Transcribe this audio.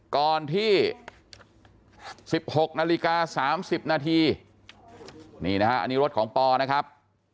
ก่อนที่๑๖นาฬิกา๓๐นาทีนี่นะฮะอันนี้รถของปอนะครับ